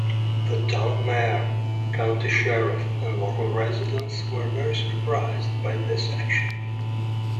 The town mayor, county sheriff, and local residents were very surprised by this action.